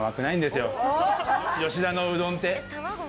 吉田のうどんって。